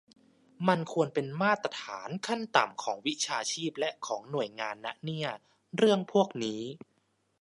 มันควรเป็นมาตรฐานขั้นต่ำของวิชาชีพและของหน่วยงานนะเนี่ย เรื่องพวกนี้